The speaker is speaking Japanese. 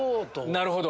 なるほど。